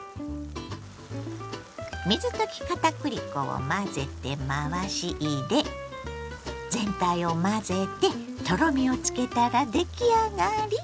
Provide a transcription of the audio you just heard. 水溶き片栗粉を混ぜて回し入れ全体を混ぜてとろみをつけたら出来上がり。